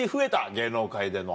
芸能界での。